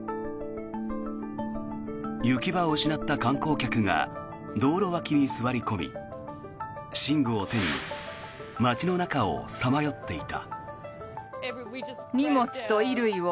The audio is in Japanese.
行き場を失った観光客が道路脇に座り込み寝具を手に街の中をさまよっていた。